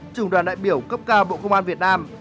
trưởng đoàn đại biểu cấp cao bộ công an việt nam